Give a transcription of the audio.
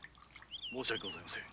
申し訳ございません。